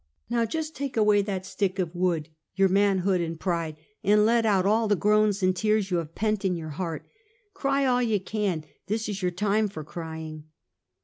ISTow just take away that stick of wood — your manhood and pride, and let out all the groans and tears you have pent in your heart. Cry all you can! This is your time for crying!"